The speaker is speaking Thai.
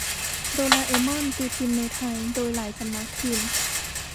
โดราเอมอน ตีพิมพ์ในไทยโดยหลายสำนักพิมพ์